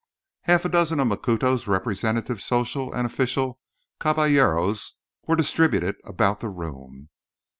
Half a dozen of Macuto's representative social and official caballeros were distributed about the room.